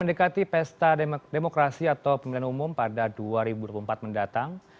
mendekati pesta demokrasi atau pemilihan umum pada dua ribu dua puluh empat mendatang